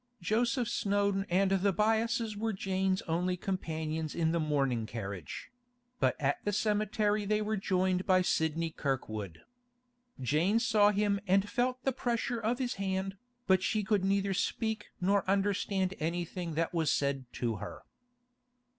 Joseph Snowdon and the Byasses were Jane's only companions in the mourning carriage; but at the cemetery they were joined by Sidney Kirkwood. Jane saw him and felt the pressure of his hand, but she could neither speak nor understand anything that was said to her.